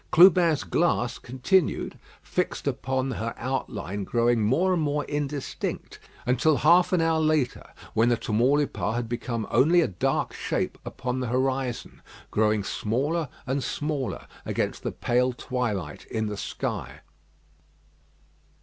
Clubin's glass continued fixed upon her outline growing more and more indistinct; until half an hour later, when the Tamaulipas had become only a dark shape upon the horizon, growing smaller and smaller against the pale twilight in the sky.